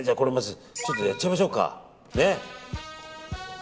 ちょっとやっちゃいましょうか。